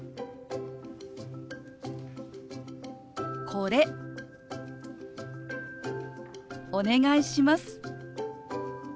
「これお願いします」。